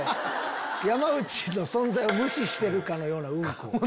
山内の存在を無視してるかのようなうんこ。